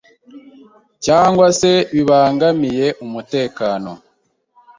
cyangwa se bibangamiye umutekano,